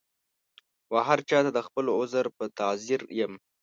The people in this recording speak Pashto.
وهرچا ته د خپل عذر په تعذیر یم